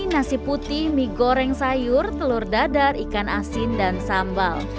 nasi putih mie goreng sayur telur dadar ikan asin dan sambal